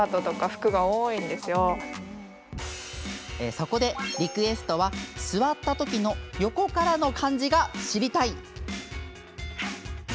そこで、リクエストは座ったときの横からの感じが知りたい。